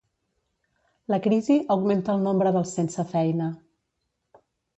La crisi augmenta el nombre dels sensefeina.